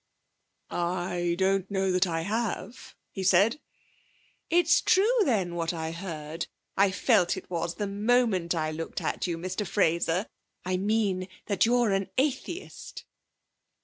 'I don't know that I have,' he said. 'It's true, then, what I heard I felt it was the moment I looked at you, Mr Fraser I mean, that you're an atheist.'